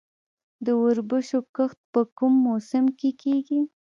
د وربشو کښت په کوم موسم کې کیږي؟